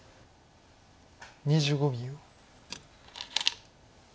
２５秒。